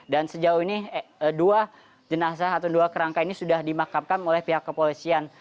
dan sejauh ini dua jenazah atau dua kerangka ini sudah dimakamkan oleh pihak kepolisian